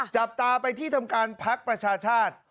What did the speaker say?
จับตาไปที่ทำการพักประชาชาติ